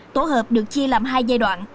tổ hợp được chia làm hai giai đoạn